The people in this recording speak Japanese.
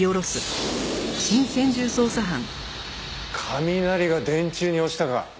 雷が電柱に落ちたか。